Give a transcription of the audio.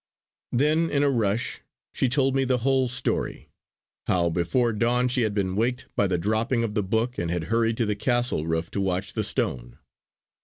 Then in a rush she told me the whole story. How before dawn she had been waked by the dropping of the book and had hurried to the castle roof to watch the stone.